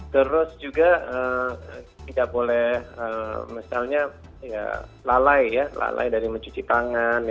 terus juga tidak boleh misalnya lalai ya lalai dari mencuci tangan